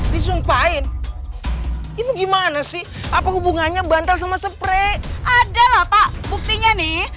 disumpahin ini gimana sih apa hubungannya bantal sama sepre adalah pak buktinya nih